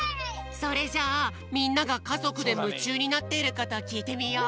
それじゃあみんながかぞくでむちゅうになっていることをきいてみよう。